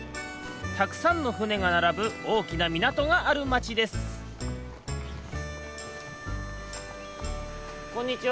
たくさんのふねがならぶおおきなみなとがあるまちですこんにちは！